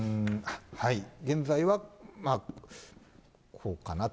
現在はこうかなと。